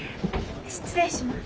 失礼します。